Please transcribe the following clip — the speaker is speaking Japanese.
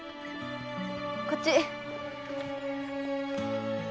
こっち。